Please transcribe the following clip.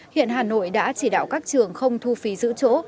hiện hà nội đã chỉ đạo các trường không thu phí giữ chỗ